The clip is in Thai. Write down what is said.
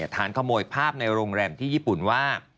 ฐานขโมยภาพในโรงแรมที่ญี่ปุ่นว่า